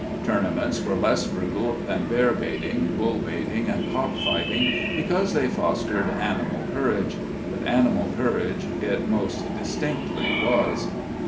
Tournaments were less brutal than bear baiting, bull baiting, and cock fighting, because they fostered animal courage; but animal courage it most distinctly was.